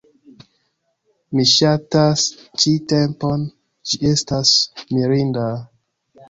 Mi ŝatas ĉi tempon, ĝi estas mirinda...